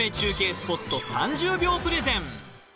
スポット３０秒プレゼン